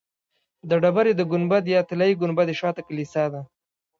د ډبرې د ګنبد یا طلایي ګنبدې شاته د کلیسا ده.